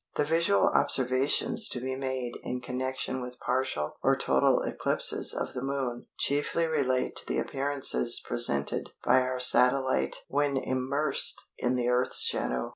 The visual observations to be made in connection with partial or total eclipses of the Moon chiefly relate to the appearances presented by our satellite when immersed in the Earth's shadow.